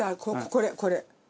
これこれ。